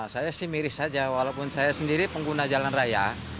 saya sih miris saja walaupun saya sendiri pengguna jalan raya